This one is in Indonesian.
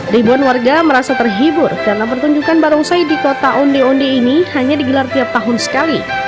ribuan warga merasa terhibur karena pertunjukan barongsai di kota onde onde ini hanya digelar tiap tahun sekali